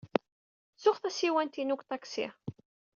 Ttuɣ tasiwant-inu deg uṭaksi.